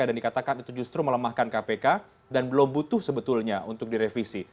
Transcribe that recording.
dan dikatakan itu justru melemahkan kpk dan belum butuh sebetulnya untuk direvisi